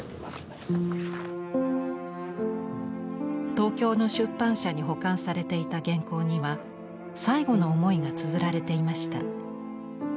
東京の出版社に保管されていた原稿には最後の思いがつづられていました。